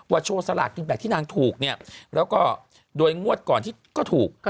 โชว์สลากกินแบ่งที่นางถูกเนี่ยแล้วก็โดยงวดก่อนที่ก็ถูก